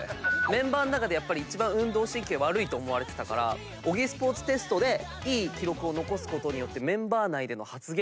メンバーの中で一番運動神経悪いと思われてたから小木スポーツテストでいい記録を残すことによって。